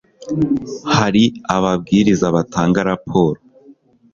hari ababwiriza batanga raporo